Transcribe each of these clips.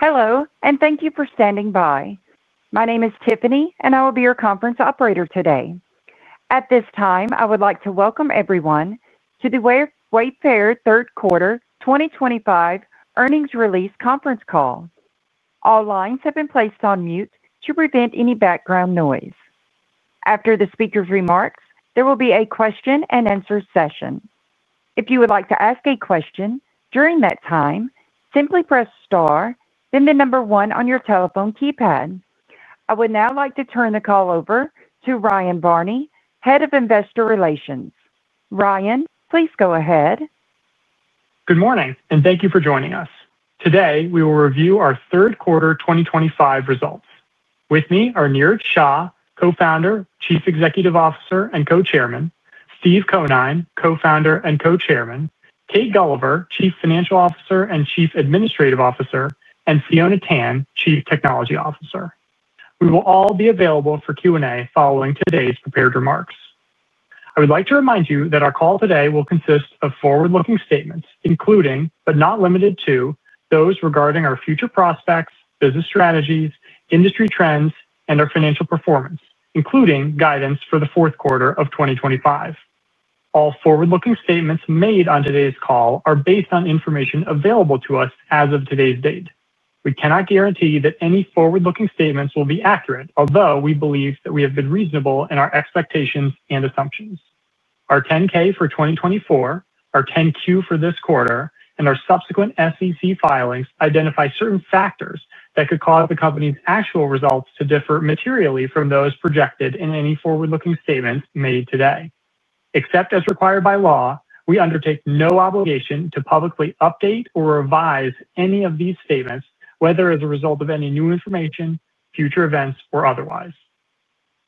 Hello, and thank you for standing by. My name is Tiffany, and I will be your conference operator today. At this time, I would like to welcome everyone to the Wayfair third quarter 2025 earnings release conference call. All lines have been placed on mute to prevent any background noise. After the speaker's remarks, there will be a question-and-answer session. If you would like to ask a question during that time, simply press star, then the number one on your telephone keypad. I would now like to turn the call over to Ryan Barney, Head of Investor Relations. Ryan, please go ahead. Good morning, and thank you for joining us. Today, we will review our third quarter 2025 results. With me are Niraj Shah, Co-Founder, Chief Executive Officer, and Co-Chairman; Steve Conine, Co-Founder and Co-Chairman; Kate Gulliver, Chief Financial Officer and Chief Administrative Officer; and Fiona Tan, Chief Technology Officer. We will all be available for Q&A following today's prepared remarks. I would like to remind you that our call today will consist of forward-looking statements, including, but not limited to, those regarding our future prospects, business strategies, industry trends, and our financial performance, including guidance for the fourth quarter of 2025. All forward-looking statements made on today's call are based on information available to us as of today's date. We cannot guarantee that any forward-looking statements will be accurate, although we believe that we have been reasonable in our expectations and assumptions. Our 10-K for 2024, our 10-Q for this quarter, and our subsequent SEC filings identify certain factors that could cause the company's actual results to differ materially from those projected in any forward-looking statements made today. Except as required by law, we undertake no obligation to publicly update or revise any of these statements, whether as a result of any new information, future events, or otherwise.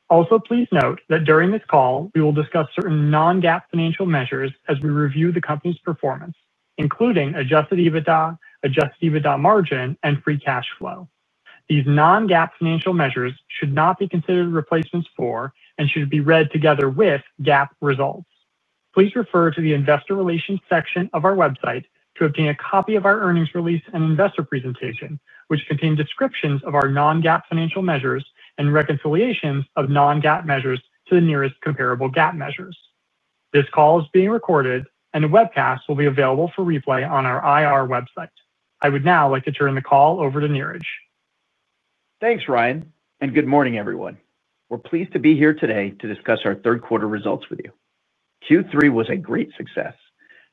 Also, please note that during this call, we will discuss certain non-GAAP financial measures as we review the company's performance, including adjusted EBITDA, adjusted EBITDA margin, and free cash flow. These non-GAAP financial measures should not be considered replacements for and should be read together with GAAP results. Please refer to the Investor Relations section of our website to obtain a copy of our earnings release and investor presentation, which contain descriptions of our non-GAAP financial measures and reconciliations of non-GAAP measures to the nearest comparable GAAP measures. This call is being recorded, and a webcast will be available for replay on our IR website. I would now like to turn the call over to Niraj. Thanks, Ryan, and good morning, everyone. We're pleased to be here today to discuss our third quarter results with you. Q3 was a great success.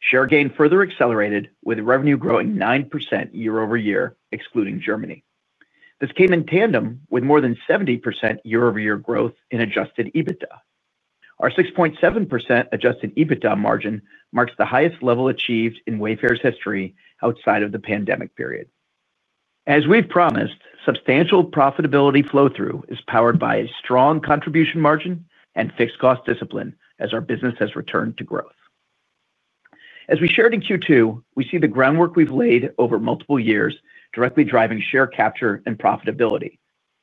Share gain further accelerated, with revenue growing 9% year-over-year, excluding Germany. This came in tandem with more than 70% year-over-year growth in adjusted EBITDA. Our 6.7% adjusted EBITDA margin marks the highest level achieved in Wayfair's history outside of the pandemic period. As we've promised, substantial profitability flow-through is powered by a strong contribution margin and fixed cost discipline as our business has returned to growth. As we shared in Q2, we see the groundwork we've laid over multiple years directly driving share capture and profitability,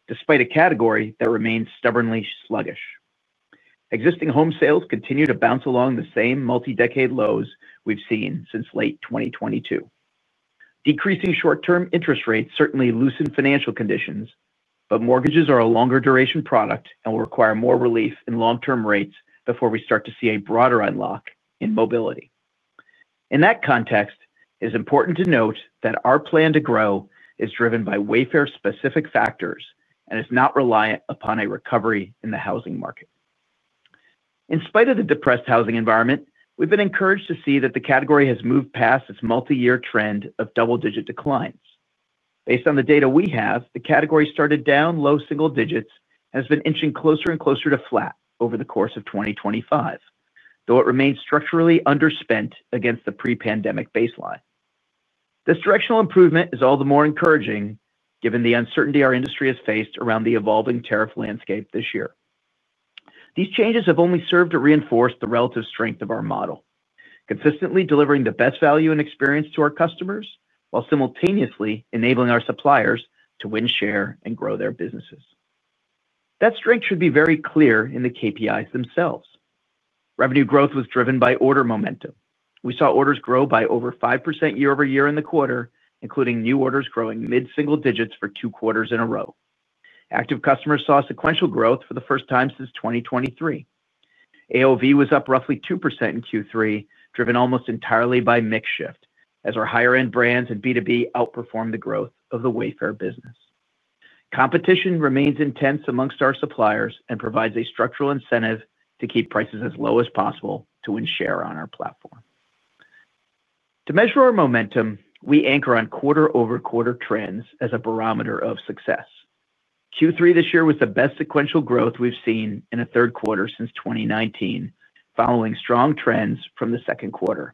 despite a category that remains stubbornly sluggish. Existing home sales continue to bounce along the same multi-decade lows we've seen since late 2022. Decreasing short-term interest rates certainly loosen financial conditions, but mortgages are a longer duration product and will require more relief in long-term rates before we start to see a broader unlock in mobility. In that context, it is important to note that our plan to grow is driven by Wayfair-specific factors and is not reliant upon a recovery in the housing market. In spite of the depressed housing environment, we've been encouraged to see that the category has moved past its multi-year trend of double-digit declines. Based on the data we have, the category started down low single digits and has been inching closer and closer to flat over the course of 2025, though it remains structurally underspent against the pre-pandemic baseline. This directional improvement is all the more encouraging given the uncertainty our industry has faced around the evolving tariff landscape this year. These changes have only served to reinforce the relative strength of our model, consistently delivering the best value and experience to our customers while simultaneously enabling our suppliers to win share and grow their businesses. That strength should be very clear in the KPIs themselves. Revenue growth was driven by order momentum. We saw orders grow by over 5% year-over-year in the quarter, including new orders growing mid-single digits for two quarters in a row. Active customers saw sequential growth for the first time since 2023. AOV was up roughly 2% in Q3, driven almost entirely by mix shift, as our higher-end brands and B2B outperformed the growth of the Wayfair business. Competition remains intense amongst our suppliers and provides a structural incentive to keep prices as low as possible to win share on our platform. To measure our momentum, we anchor on quarter-over-quarter trends as a barometer of success. Q3 this year was the best sequential growth we've seen in a third quarter since 2019, following strong trends from the second quarter.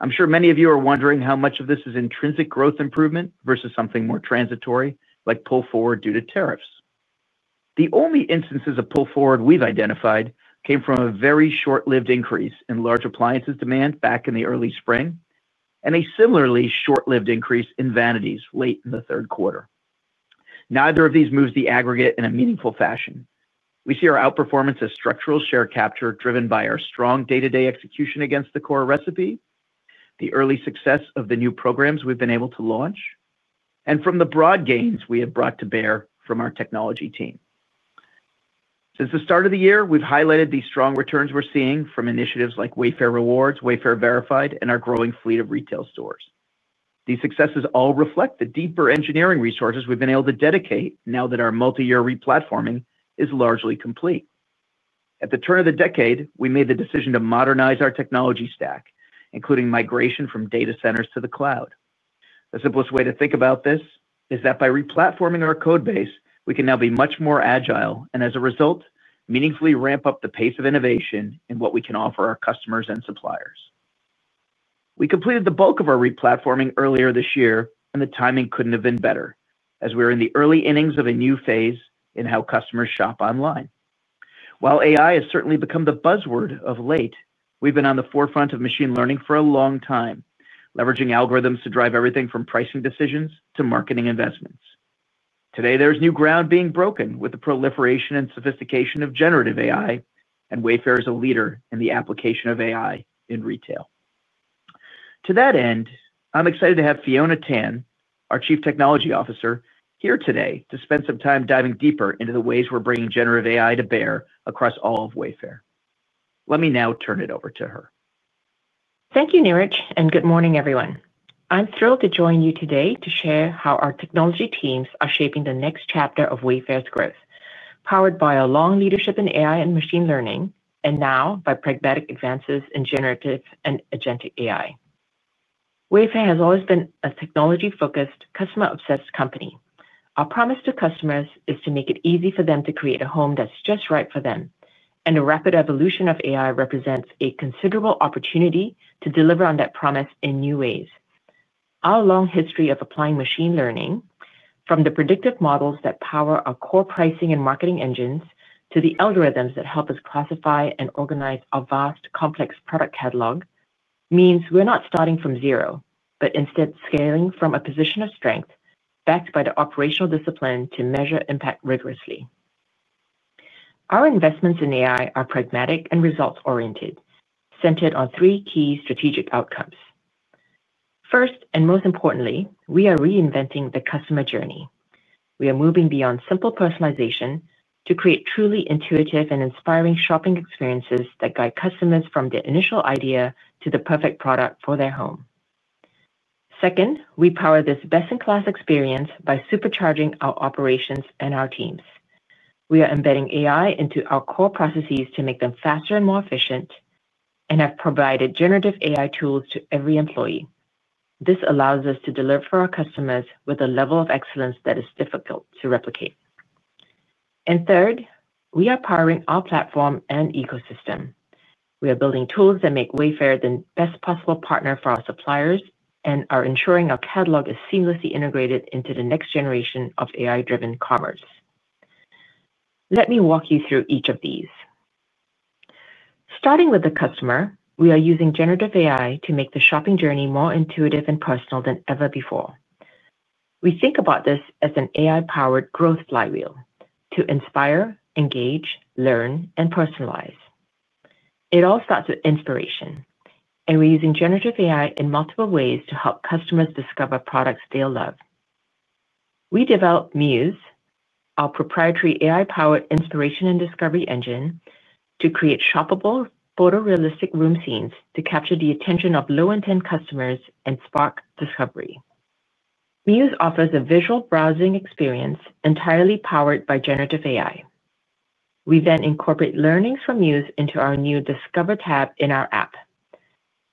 I'm sure many of you are wondering how much of this is intrinsic growth improvement versus something more transitory, like pull forward due to tariffs. The only instances of pull forward we've identified came from a very short-lived increase in large appliances demand back in the early spring and a similarly short-lived increase in vanities late in the third quarter. Neither of these moves the aggregate in a meaningful fashion. We see our outperformance as structural share capture driven by our strong day-to-day execution against the core recipe, the early success of the new programs we've been able to launch, and from the broad gains we have brought to bear from our technology team. Since the start of the year, we've highlighted the strong returns we're seeing from initiatives like Wayfair Rewards, Wayfair Verified, and our growing fleet of retail stores. These successes all reflect the deeper engineering resources we've been able to dedicate now that our multi-year replatforming is largely complete. At the turn of the decade, we made the decision to modernize our technology stack, including migration from data centers to the cloud. The simplest way to think about this is that by replatforming our codebase, we can now be much more agile and, as a result, meaningfully ramp up the pace of innovation in what we can offer our customers and suppliers. We completed the bulk of our replatforming earlier this year, and the timing couldn't have been better, as we are in the early innings of a new phase in how customers shop online. While AI has certainly become the buzzword of late, we've been on the forefront of machine learning for a long time, leveraging algorithms to drive everything from pricing decisions to marketing investments. Today, there's new ground being broken with the proliferation and sophistication of generative AI, and Wayfair is a leader in the application of AI in retail. To that end, I'm excited to have Fiona Tan, our Chief Technology Officer, here today to spend some time diving deeper into the ways we're bringing generative AI to bear across all of Wayfair. Let me now turn it over to her. Thank you, Niraj, and good morning, everyone. I'm thrilled to join you today to share how our technology teams are shaping the next chapter of Wayfair's growth, powered by our long leadership in AI and machine learning, and now by pragmatic advances in generative and agentic AI. Wayfair has always been a technology-focused, customer-obsessed company. Our promise to customers is to make it easy for them to create a home that's just right for them, and the rapid evolution of AI represents a considerable opportunity to deliver on that promise in new ways. Our long history of applying machine learning, from the predictive models that power our core pricing and marketing engines to the algorithms that help us classify and organize a vast, complex product catalog, means we're not starting from zero, but instead scaling from a position of strength, backed by the operational discipline to measure impact rigorously. Our investments in AI are pragmatic and results-oriented, centered on three key strategic outcomes. First and most importantly, we are reinventing the customer journey. We are moving beyond simple personalization to create truly intuitive and inspiring shopping experiences that guide customers from the initial idea to the perfect product for their home. Second, we power this best-in-class experience by supercharging our operations and our teams. We are embedding AI into our core processes to make them faster and more efficient and have provided generative AI tools to every employee. This allows us to deliver for our customers with a level of excellence that is difficult to replicate. Third, we are powering our platform and ecosystem. We are building tools that make Wayfair the best possible partner for our suppliers and are ensuring our catalog is seamlessly integrated into the next generation of AI-driven commerce. Let me walk you through each of these. Starting with the customer, we are using generative AI to make the shopping journey more intuitive and personal than ever before. We think about this as an AI-powered growth flywheel to inspire, engage, learn, and personalize. It all starts with inspiration, and we're using generative AI in multiple ways to help customers discover products they'll love. We developed Muse, our proprietary AI-powered inspiration and discovery engine, to create shoppable photorealistic room scenes to capture the attention of low-intent customers and spark discovery. Muse offers a visual browsing experience entirely powered by generative AI. We then incorporate learnings from Muse into our new Discover tab in our app,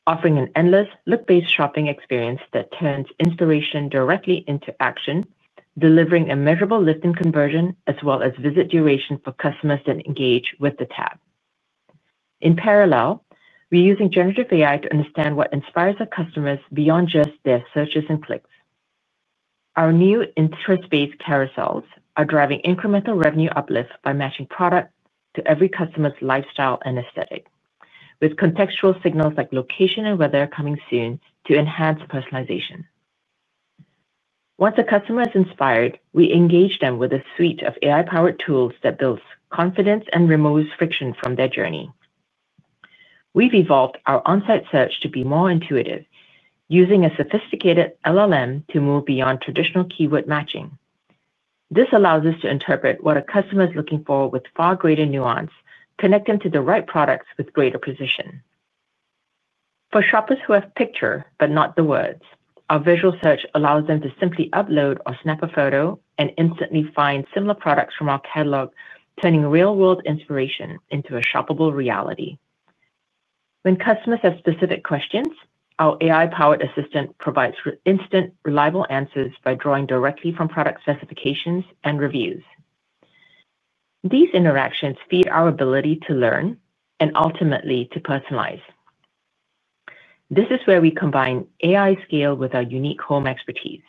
offering an endless look-based shopping experience that turns inspiration directly into action, delivering a measurable lift in conversion as well as visit duration for customers that engage with the tab. In parallel, we're using generative AI to understand what inspires our customers beyond just their searches and clicks. Our new interest-based carousels are driving incremental revenue uplift by matching product to every customer's lifestyle and aesthetic, with contextual signals like location and weather coming soon to enhance personalization. Once a customer is inspired, we engage them with a suite of AI-powered tools that build confidence and remove friction from their journey. We've evolved our onsite search to be more intuitive, using a sophisticated LLM to move beyond traditional keyword matching. This allows us to interpret what a customer is looking for with far greater nuance, connecting them to the right products with greater precision. For shoppers who have pictures but not the words, our visual search allows them to simply upload or snap a photo and instantly find similar products from our catalog, turning real-world inspiration into a shoppable reality. When customers have specific questions, our AI-powered assistant provides instant, reliable answers by drawing directly from product specifications and reviews. These interactions feed our ability to learn and ultimately to personalize. This is where we combine AI scale with our unique home expertise.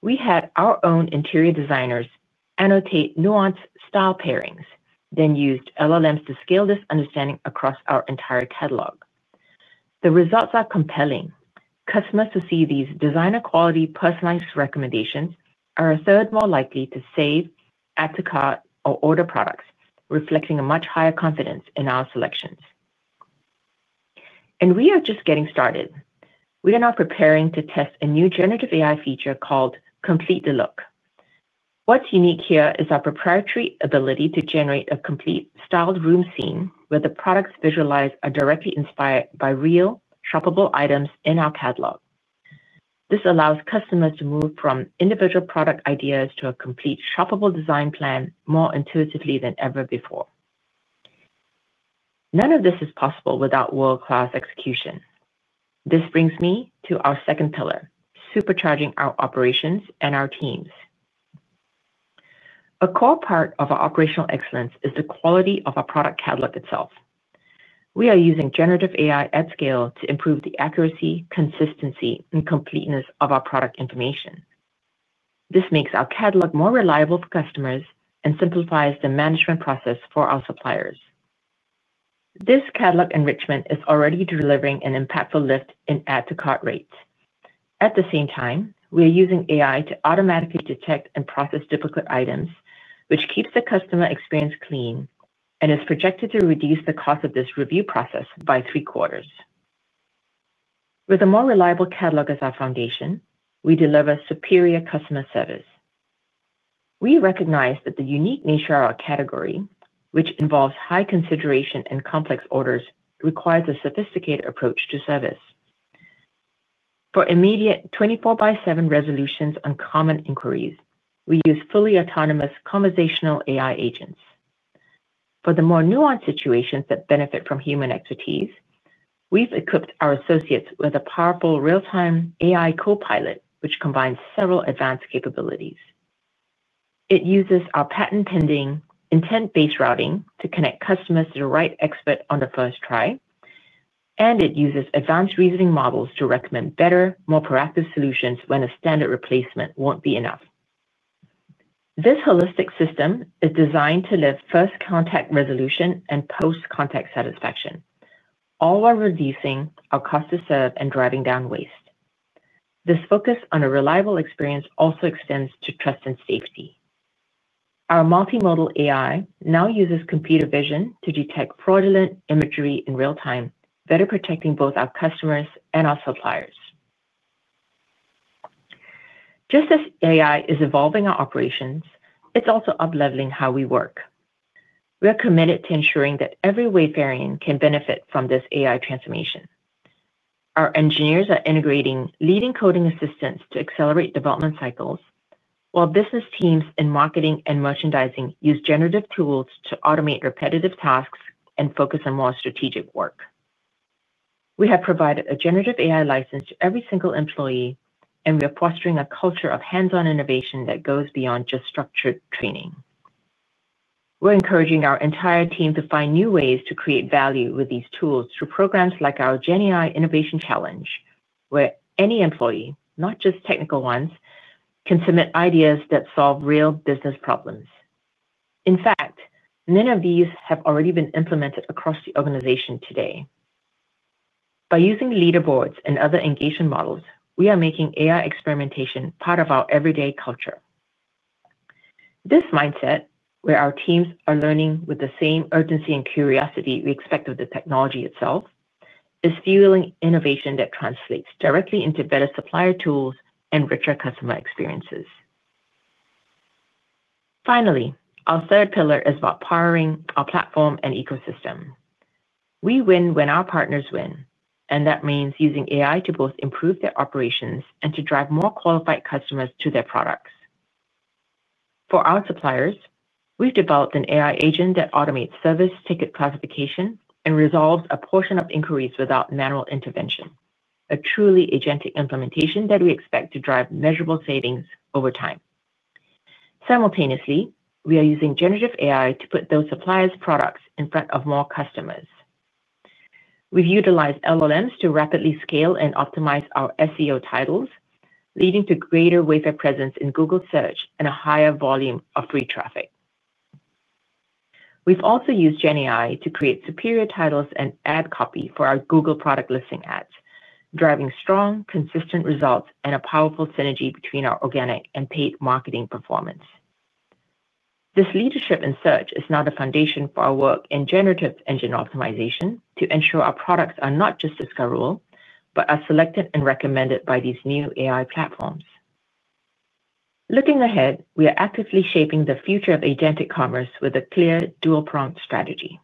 We had our own interior designers annotate nuanced style pairings, then used LLMs to scale this understanding across our entire catalog. The results are compelling. Customers who see these designer-quality personalized recommendations are a third more likely to save, add to cart, or order products, reflecting a much higher confidence in our selections. We are just getting started. We are now preparing to test a new generative AI feature called Complete the Look. What's unique here is our proprietary ability to generate a complete styled room scene where the products visualized are directly inspired by real shoppable items in our catalog. This allows customers to move from individual product ideas to a complete shoppable design plan more intuitively than ever before. None of this is possible without world-class execution. This brings me to our second pillar, supercharging our operations and our teams. A core part of our operational excellence is the quality of our product catalog itself. We are using generative AI at scale to improve the accuracy, consistency, and completeness of our product information. This makes our catalog more reliable for customers and simplifies the management process for our suppliers. This catalog enrichment is already delivering an impactful lift in add-to-cart rates. At the same time, we are using AI to automatically detect and process difficult items, which keeps the customer experience clean and is projected to reduce the cost of this review process by three quarters. With a more reliable catalog as our foundation, we deliver superior customer service. We recognize that the unique nature of our category, which involves high consideration and complex orders, requires a sophisticated approach to service. For immediate 24/7 resolutions on common inquiries, we use fully autonomous conversational AI agents. For the more nuanced situations that benefit from human expertise, we've equipped our associates with a powerful real-time AI copilot, which combines several advanced capabilities. It uses our patent-pending intent-based routing to connect customers to the right expert on the first try, and it uses advanced reasoning models to recommend better, more proactive solutions when a standard replacement won't be enough. This holistic system is designed to drive first contact resolution and post-contact satisfaction, all while reducing our cost to serve and driving down waste. This focus on a reliable experience also extends to trust and safety. Our multimodal AI now uses computer vision to detect fraudulent imagery in real time, better protecting both our customers and our suppliers. Just as AI is evolving our operations, it's also upleveling how we work. We are committed to ensuring that every Wayfair employee can benefit from this AI transformation. Our engineers are integrating leading coding assistants to accelerate development cycles, while business teams in marketing and merchandising use generative tools to automate repetitive tasks and focus on more strategic work. We have provided a generative AI license to every single employee, and we are fostering a culture of hands-on innovation that goes beyond just structured training. We're encouraging our entire team to find new ways to create value with these tools through programs like our Gen AI Innovation Challenge, where any employee, not just technical ones, can submit ideas that solve real business problems. In fact, none of these have already been implemented across the organization today. By using leaderboards and other engagement models, we are making AI experimentation part of our everyday culture. This mindset, where our teams are learning with the same urgency and curiosity we expect of the technology itself, is fueling innovation that translates directly into better supplier tools and richer customer experiences. Finally, our third pillar is about powering our platform and ecosystem. We win when our partners win, and that means using AI to both improve their operations and to drive more qualified customers to their products. For our suppliers, we've developed an AI agent that automates service ticket classification and resolves a portion of inquiries without manual intervention, a truly agentic implementation that we expect to drive measurable savings over time. Simultaneously, we are using generative AI to put those suppliers' products in front of more customers. We've utilized LLMs to rapidly scale and optimize our SEO titles, leading to greater Wayfair presence in Google Search and a higher volume of free traffic. We've also used Gen AI to create superior titles and ad copy for our Google product listing ads, driving strong, consistent results and a powerful synergy between our organic and paid marketing performance. This leadership in search is now the foundation for our work in generative engine optimization to ensure our products are not just a rule, but are selected and recommended by these new AI platforms. Looking ahead, we are actively shaping the future of agentic commerce with a clear dual-prompt strategy.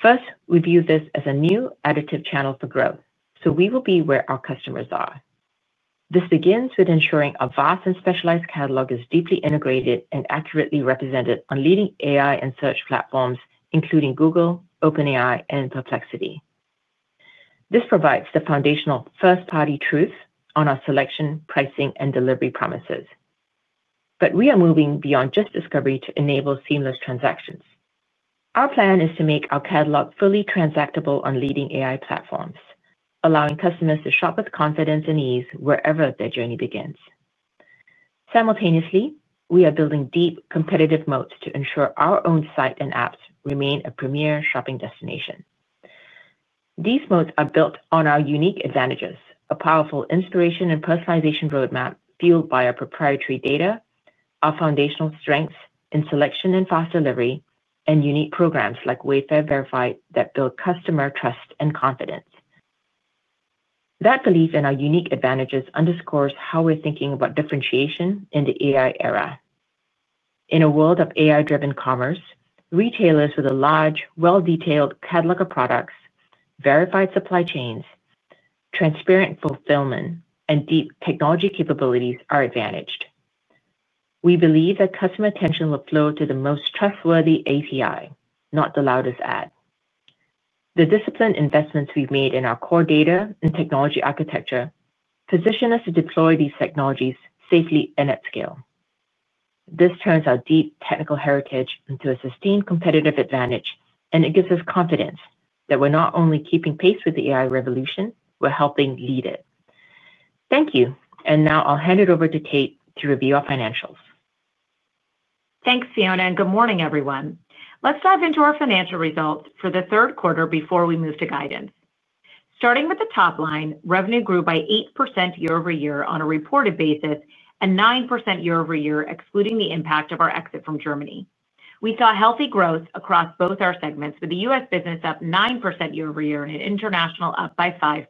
First, we view this as a new additive channel for growth, so we will be where our customers are. This begins with ensuring our vast and specialized catalog is deeply integrated and accurately represented on leading AI and search platforms, including Google, OpenAI, and Perplexity. This provides the foundational first-party truth on our selection, pricing, and delivery promises. We are moving beyond just discovery to enable seamless transactions. Our plan is to make our catalog fully transactable on leading AI platforms, allowing customers to shop with confidence and ease wherever their journey begins. Simultaneously, we are building deep competitive moats to ensure our own site and apps remain a premier shopping destination. These moats are built on our unique advantages, a powerful inspiration and personalization roadmap fueled by our proprietary data, our foundational strengths in selection and fast delivery, and unique programs like Wayfair Verified that build customer trust and confidence. That belief in our unique advantages underscores how we're thinking about differentiation in the AI era. In a world of AI-driven commerce, retailers with a large, well-detailed catalog of products, verified supply chains, transparent fulfillment, and deep technology capabilities are advantaged. We believe that customer attention will flow to the most trustworthy API, not the loudest ad. The disciplined investments we've made in our core data and technology architecture position us to deploy these technologies safely and at scale. This turns our deep technical heritage into a sustained competitive advantage, and it gives us confidence that we're not only keeping pace with the AI revolution, we're helping lead it. Thank you. Now I'll hand it over to Kate to review our financials. Thanks, Fiona, and good morning, everyone. Let's dive into our financial results for the third quarter before we move to guidance. Starting with the top line, revenue grew by 8% year-over-year on a reported basis and 9% year-over-year, excluding the impact of our exit from Germany. We saw healthy growth across both our segments, with the U.S. business up 9% year-over-year and international up by 5%.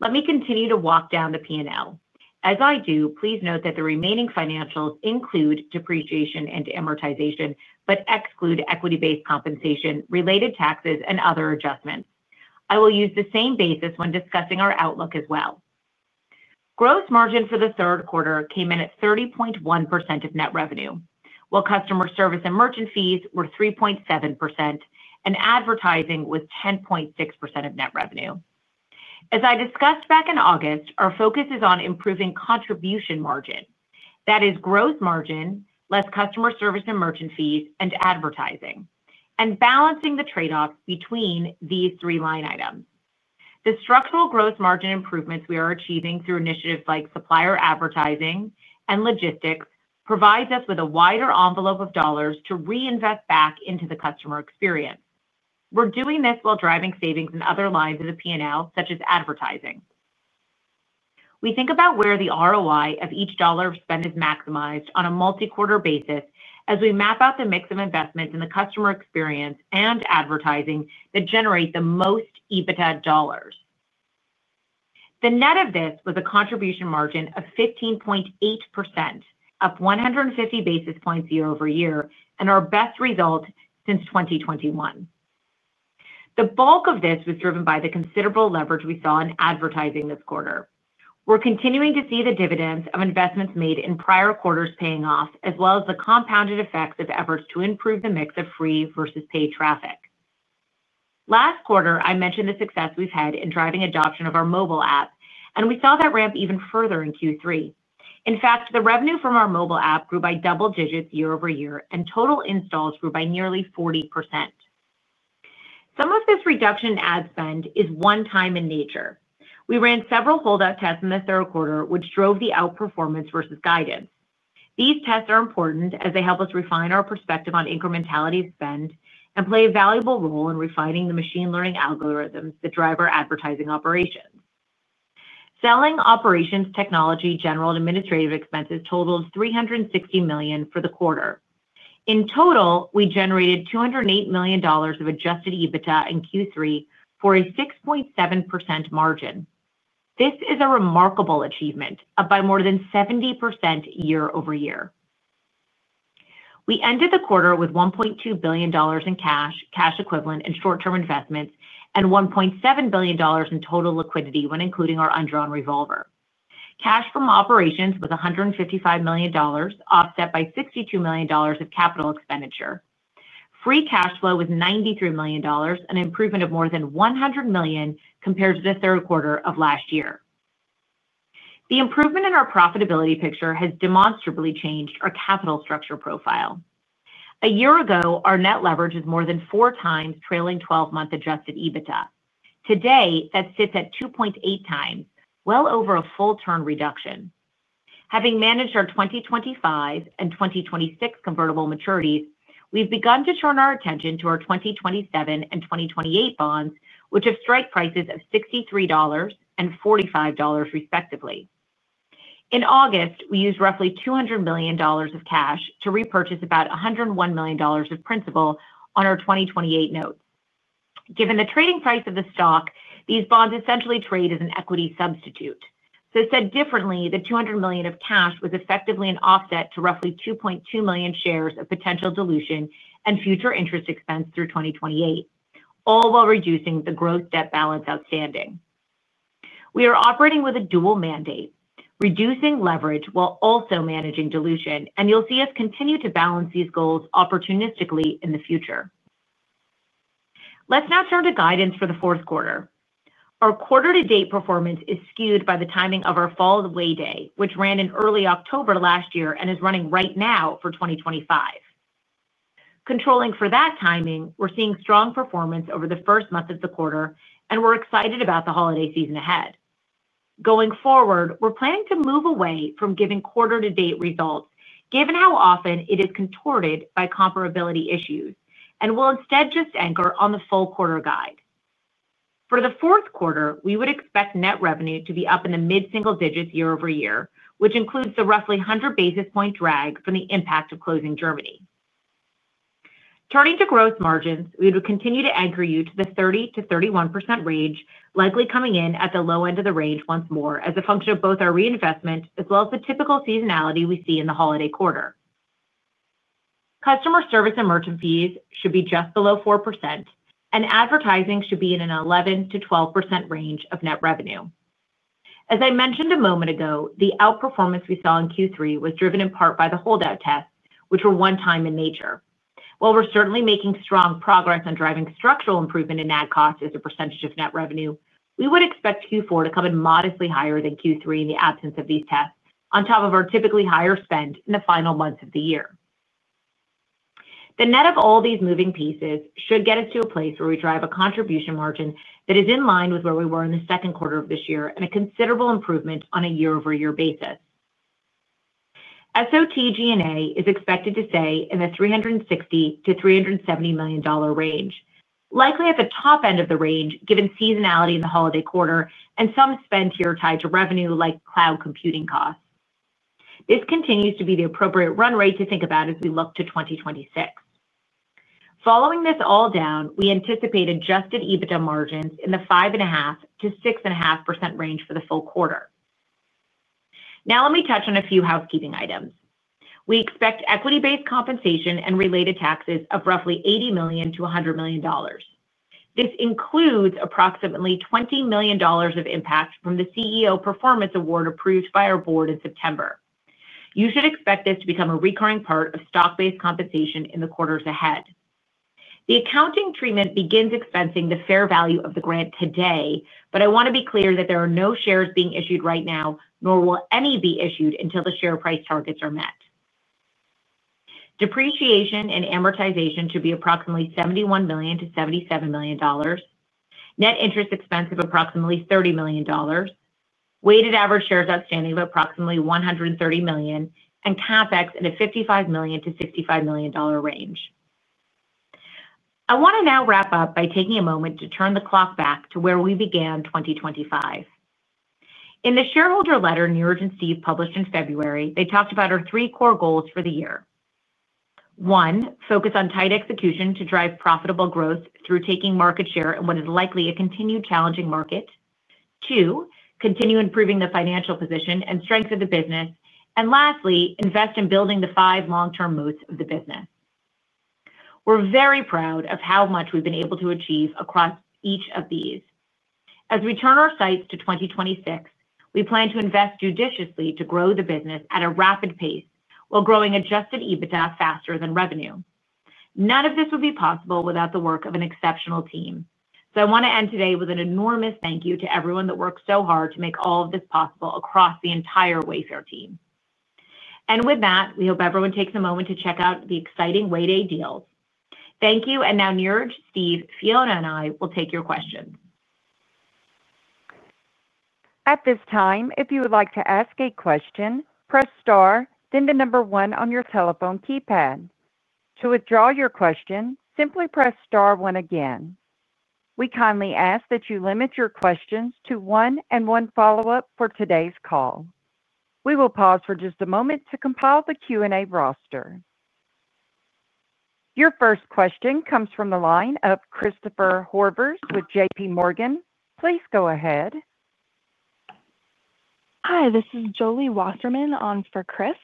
Let me continue to walk down the P&L. As I do, please note that the remaining financials include depreciation and amortization, but exclude equity-based compensation, related taxes, and other adjustments. I will use the same basis when discussing our outlook as well. Gross margin for the third quarter came in at 30.1% of net revenue, while customer service and merchant fees were 3.7%, and advertising was 10.6% of net revenue. As I discussed back in August, our focus is on improving contribution margin. That is gross margin, less customer service and merchant fees, and advertising, and balancing the trade-offs between these three line items. The structural gross margin improvements we are achieving through initiatives like supplier advertising and logistics provide us with a wider envelope of dollars to reinvest back into the customer experience. We're doing this while driving savings in other lines of the P&L, such as advertising. We think about where the ROI of each dollar spent is maximized on a multi-quarter basis as we map out the mix of investments in the customer experience and advertising that generate the most EBITDA dollars. The net of this was a contribution margin of 15.8%, up 150 basis points year-over-year, and our best result since 2021. The bulk of this was driven by the considerable leverage we saw in advertising this quarter. We're continuing to see the dividends of investments made in prior quarters paying off, as well as the compounded effects of efforts to improve the mix of free versus paid traffic. Last quarter, I mentioned the success we've had in driving adoption of our mobile app, and we saw that ramp even further in Q3. In fact, the revenue from our mobile app grew by double digits year-over-year, and total installs grew by nearly 40%. Some of this reduction in ad spend is one-time in nature. We ran several holdout tests in the third quarter, which drove the outperformance versus guidance. These tests are important as they help us refine our perspective on incrementality of spend and play a valuable role in refining the machine learning algorithms that drive our advertising operations. Selling operations technology general and administrative expenses totaled $360 million for the quarter. In total, we generated $208 million of adjusted EBITDA in Q3 for a 6.7% margin. This is a remarkable achievement, up by more than 70% year-over-year. We ended the quarter with $1.2 billion in cash, cash equivalent, and short-term investments, and $1.7 billion in total liquidity when including our undrawn revolver. Cash from operations was $155 million, offset by $62 million of capital expenditure. Free cash flow was $93 million, an improvement of more than $100 million compared to the third quarter of last year. The improvement in our profitability picture has demonstrably changed our capital structure profile. A year ago, our net leverage was more than 4x trailing 12-month adjusted EBITDA. Today, that sits at 2.8x, well over a full-turn reduction. Having managed our 2025 and 2026 convertible maturities, we've begun to turn our attention to our 2027 and 2028 bonds, which have strike prices of $63 and $45, respectively. In August, we used roughly $200 million of cash to repurchase about $101 million of principal on our 2028 notes. Given the trading price of the stock, these bonds essentially trade as an equity substitute. Said differently, the $200 million of cash was effectively an offset to roughly 2.2 million shares of potential dilution and future interest expense through 2028, all while reducing the gross debt balance outstanding. We are operating with a dual mandate, reducing leverage while also managing dilution, and you'll see us continue to balance these goals opportunistically in the future. Let's now turn to guidance for the fourth quarter. Our quarter-to-date performance is skewed by the timing of our fall Way Day, which ran in early October last year and is running right now for 2025. Controlling for that timing, we're seeing strong performance over the first month of the quarter, and we're excited about the holiday season ahead. Going forward, we're planning to move away from giving quarter-to-date results, given how often it is contorted by comparability issues, and we'll instead just anchor on the full quarter guide. For the fourth quarter, we would expect net revenue to be up in the mid-single digits year-over-year, which includes the roughly 100 basis point drag from the impact of closing Germany. Turning to gross margins, we would continue to anchor you to the 30%-31% range, likely coming in at the low end of the range once more as a function of both our reinvestment as well as the typical seasonality we see in the holiday quarter. Customer service and merchant fees should be just below 4%, and advertising should be in an 11%-12% range of net revenue. As I mentioned a moment ago, the outperformance we saw in Q3 was driven in part by the holdout tests, which were one-time in nature. While we're certainly making strong progress on driving structural improvement in ad costs as a percentage of net revenue, we would expect Q4 to come in modestly higher than Q3 in the absence of these tests, on top of our typically higher spend in the final months of the year. The net of all these moving pieces should get us to a place where we drive a contribution margin that is in line with where we were in the second quarter of this year and a considerable improvement on a year-over-year basis. SOTG&A is expected to stay in the $360 million-$370 million range, likely at the top end of the range, given seasonality in the holiday quarter and some spend here tied to revenue like cloud computing costs. This continues to be the appropriate run rate to think about as we look to 2026. Following this all down, we anticipate adjusted EBITDA margins in the 5.5%-6.5% range for the full quarter. Now let me touch on a few housekeeping items. We expect equity-based compensation and related taxes of roughly $80 million-$100 million. This includes approximately $20 million of impact from the CEO Performance Award approved by our board in September. You should expect this to become a recurring part of stock-based compensation in the quarters ahead. The accounting treatment begins expensing the fair value of the grant today, but I want to be clear that there are no shares being issued right now, nor will any be issued until the share price targets are met. Depreciation and amortization should be approximately $71 million-$77 million, net interest expense of approximately $30 million, weighted average shares outstanding of approximately 130 million, and CapEx in a $55 million-$65 million range. I want to now wrap up by taking a moment to turn the clock back to where we began 2025. In the shareholder letter Niraj and Steve published in February, they talked about our three core goals for the year. One, focus on tight execution to drive profitable growth through taking market share in what is likely a continued challenging market. Two, continue improving the financial position and strength of the business. Lastly, invest in building the five long-term moats of the business. We're very proud of how much we've been able to achieve across each of these. As we turn our sights to 2026, we plan to invest judiciously to grow the business at a rapid pace while growing adjusted EBITDA faster than revenue. None of this would be possible without the work of an exceptional team. I want to end today with an enormous thank you to everyone that works so hard to make all of this possible across the entire Wayfair team. We hope everyone takes a moment to check out the exciting Way Day deals. Thank you. Now Niraj, Steve, Fiona, and I will take your questions. At this time, if you would like to ask a question, press star, then the number one on your telephone keypad. To withdraw your question, simply press star one again. We kindly ask that you limit your questions to one and one follow-up for today's call. We will pause for just a moment to compile the Q&A roster. Your first question comes from the line of Christopher Horvers with JPMorgan. Please go ahead. Hi, this is Jolie Wasserman on for Chris.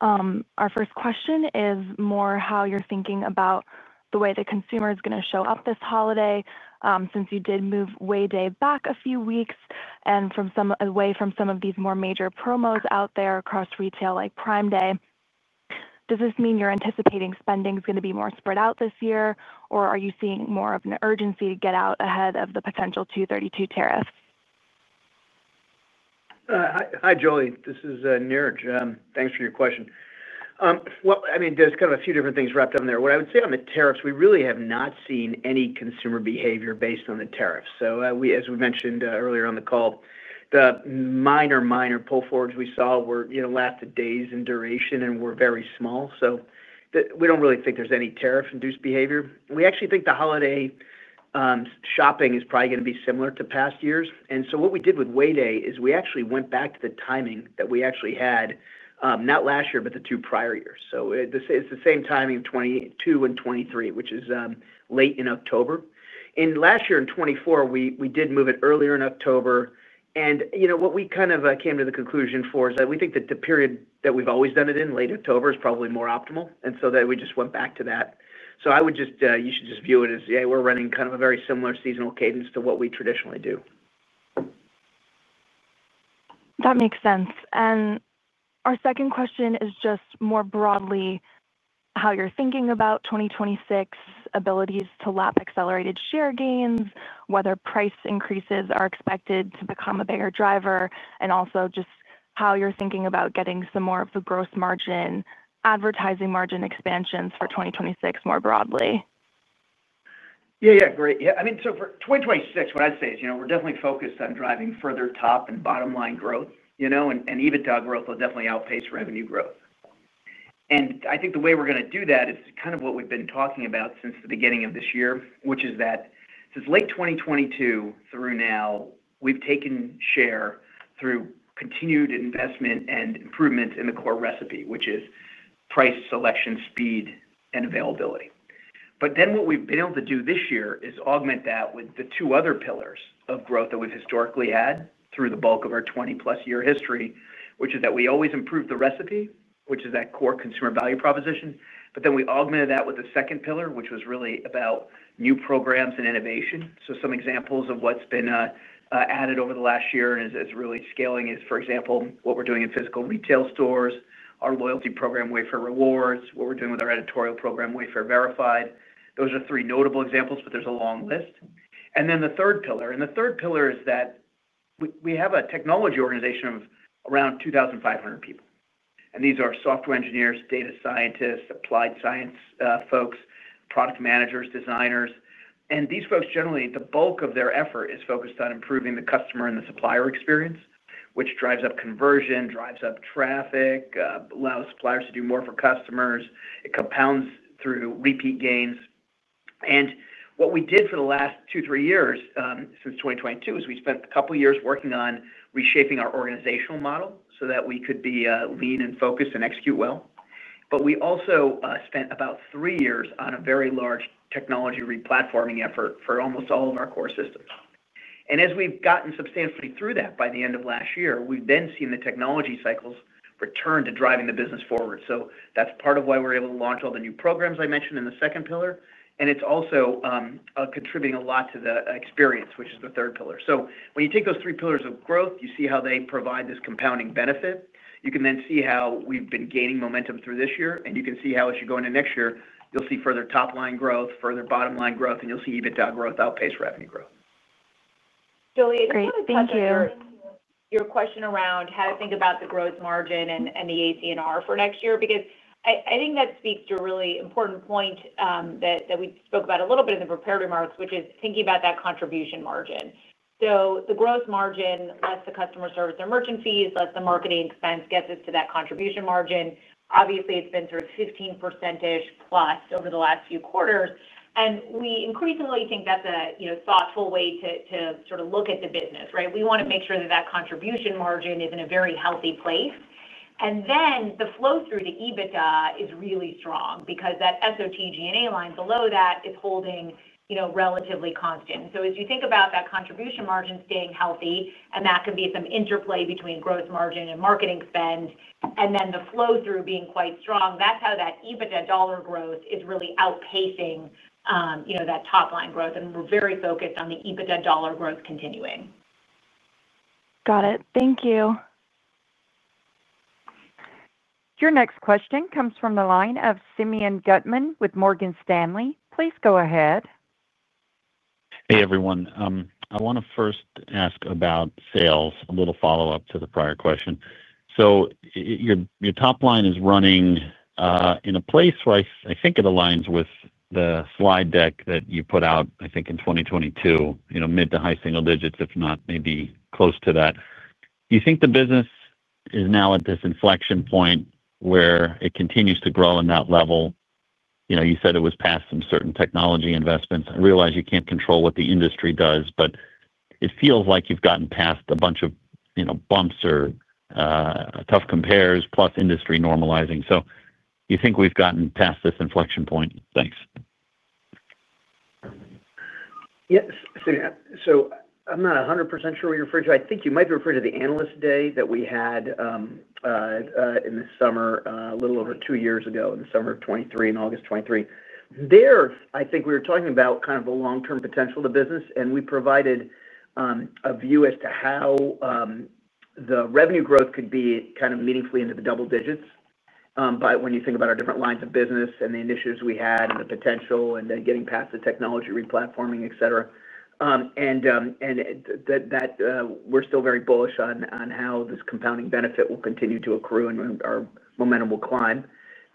Our first question is more how you're thinking about the way the consumer is going to show up this holiday since you did move Way Day back a few weeks and away from some of these more major promos out there across retail like Prime Day. Does this mean you're anticipating spending is going to be more spread out this year, or are you seeing more of an urgency to get out ahead of the potential 232 tariffs? Hi, Jolie. This is Niraj. Thanks for your question. There are kind of a few different things wrapped up in there. What I would say on the tariffs, we really have not seen any consumer behavior based on the tariffs. As we mentioned earlier on the call, the minor, minor pull forwards we saw lasted days in duration and were very small. We don't really think there's any tariff-induced behavior. We actually think the holiday shopping is probably going to be similar to past years. What we did with Way Day is we actually went back to the timing that we actually had, not last year, but the two prior years. It's the same timing of 2022 and 2023, which is late in October. Last year in 2024, we did move it earlier in October. What we kind of came to the conclusion for is that we think that the period that we've always done it in, late October, is probably more optimal. We just went back to that. You should just view it as, yeah, we're running kind of a very similar seasonal cadence to what we traditionally do. That makes sense. Our second question is just more broadly how you're thinking about 2026 abilities to lap accelerated share gains, whether price increases are expected to become a bigger driver, and also just how you're thinking about getting some more of the gross margin, advertising margin expansions for 2026 more broadly. Yeah, great. For 2026, what I'd say is, you know, we're definitely focused on driving further top and bottom line growth. EBITDA growth will definitely outpace revenue growth. I think the way we're going to do that is kind of what we've been talking about since the beginning of this year, which is that since late 2022 through now, we've taken share through continued investment and improvements in the core recipe, which is price, selection, speed, and availability. What we've been able to do this year is augment that with the two other pillars of growth that we've historically had through the bulk of our 20+ year history, which is that we always improve the recipe, which is that core consumer value proposition. We augmented that with the second pillar, which was really about new programs and innovation. Some examples of what's been added over the last year and is really scaling is, for example, what we're doing in physical retail stores, our loyalty program, Wayfair Rewards, what we're doing with our editorial program, Wayfair Verified. Those are three notable examples, but there's a long list. The third pillar is that we have a technology organization of around 2,500 people. These are software engineers, data scientists, applied science folks, product managers, designers. These folks generally, the bulk of their effort is focused on improving the customer and the supplier experience, which drives up conversion, drives up traffic, allows suppliers to do more for customers. It compounds through repeat gains. What we did for the last two, three years since 2022 is we spent a couple of years working on reshaping our organizational model so that we could be lean and focused and execute well. We also spent about three years on a very large technology replatforming effort for almost all of our core systems. As we've gotten substantially through that by the end of last year, we've then seen the technology cycles return to driving the business forward. That's part of why we're able to launch all the new programs I mentioned in the second pillar. It's also contributing a lot to the experience, which is the third pillar. When you take those three pillars of growth, you see how they provide this compounding benefit. You can then see how we've been gaining momentum through this year. You can see how as you go into next year, you'll see further top-line growth, further bottom-line growth, and you'll see EBITDA growth outpace revenue growth. Jolie, I just want to thank you for your question around how to think about the gross margin and the AC&R for next year, because I think that speaks to a really important point that we spoke about a little bit in the prepared remarks, which is thinking about that contribution margin. The gross margin, less the customer service or merchant fees, less the marketing expense, gets us to that contribution margin. Obviously, it's been sort of 15%-ish+ over the last few quarters. We increasingly think that's a thoughtful way to sort of look at the business, right? We want to make sure that that contribution margin is in a very healthy place. The flow through the EBITDA is really strong because that SOTG&A line below that is holding relatively constant. As you think about that contribution margin staying healthy, and that can be some interplay between gross margin and marketing spend, and the flow through being quite strong, that's how that EBITDA dollar growth is really outpacing that top line growth. We're very focused on the EBITDA dollar growth continuing. Got it. Thank you. Your next question comes from the line of Simeon Gutman with Morgan Stanley. Please go ahead. Hey, everyone. I want to first ask about sales, a little follow-up to the prior question. Your top line is running in a place where I think it aligns with the slide deck that you put out, I think, in 2022, mid to high single digits, if not maybe close to that. Do you think the business is now at this inflection point where it continues to grow in that level? You said it was past some certain technology investments. I realize you can't control what the industry does, but it feels like you've gotten past a bunch of bumps or tough compares plus industry normalizing. Do you think we've gotten past this inflection point? Thanks. I'm not 100% sure what you're referring to. I think you might be referring to the analyst day that we had in the summer, a little over two years ago in the summer of 2023 and August 2023. There, I think we were talking about the long-term potential of the business, and we provided a view as to how the revenue growth could be meaningfully into the double digits by when you think about our different lines of business and the initiatives we had and the potential and then getting past the technology replatforming, etc. We're still very bullish on how this compounding benefit will continue to accrue and our momentum will climb.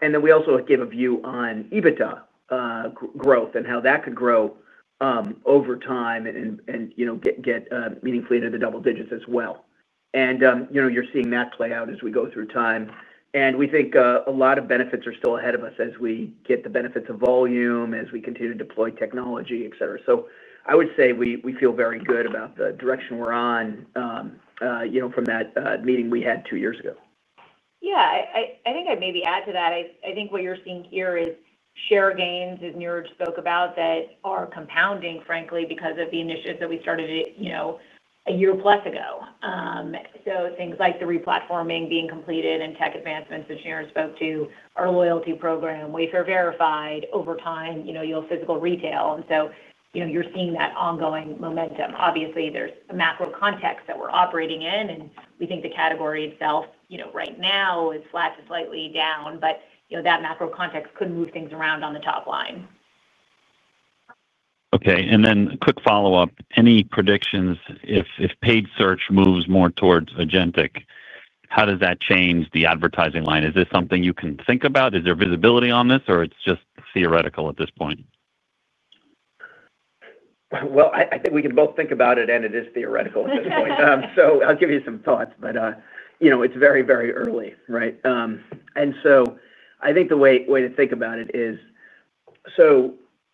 We also gave a view on EBITDA growth and how that could grow over time and get meaningfully into the double digits as well. You're seeing that play out as we go through time. We think a lot of benefits are still ahead of us as we get the benefits of volume, as we continue to deploy technology, etc. I would say we feel very good about the direction we're on from that meeting we had two years ago. Yeah, I think I'd maybe add to that. I think what you're seeing here is share gains, as Niraj spoke about, that are compounding, frankly, because of the initiatives that we started a year plus ago. Things like the replatforming being completed and tech advancements that Niraj spoke to, our loyalty program, Wayfair Verified, over time, you'll have physical retail. You're seeing that ongoing momentum. Obviously, there's a macro context that we're operating in, and we think the category itself right now is flat to slightly down, but that macro context could move things around on the top line. Okay. A quick follow-up, any predictions if paid search moves more towards agentic? How does that change the advertising line? Is this something you can think about? Is there visibility on this, or it's just theoretical at this point? I think we can both think about it, and it is theoretical at this point. I'll give you some thoughts, but you know, it's very, very early, right? I think the way to think about it is,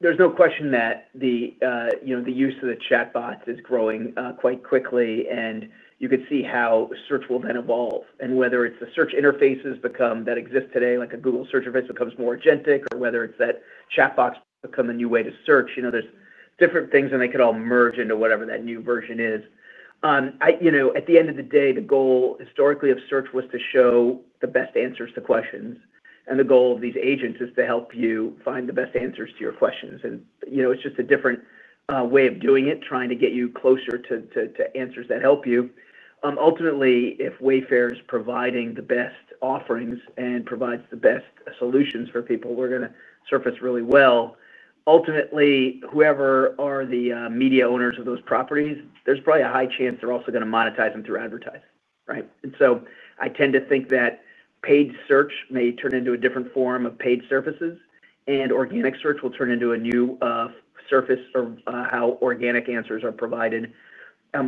there's no question that the use of the chatbots is growing quite quickly, and you could see how search will then evolve and whether it's the search interfaces that exist today, like a Google search interface, becomes more agentic, or whether it's that chatbots become a new way to search. There are different things, and they could all merge into whatever that new version is. At the end of the day, the goal historically of search was to show the best answers to questions, and the goal of these agents is to help you find the best answers to your questions. It's just a different way of doing it, trying to get you closer to answers that help you. Ultimately, if Wayfair is providing the best offerings and provides the best solutions for people, we're going to surface really well. Ultimately, whoever are the media owners of those properties, there's probably a high chance they're also going to monetize them through advertising, right? I tend to think that paid search may turn into a different form of paid services, and organic search will turn into a new surface of how organic answers are provided.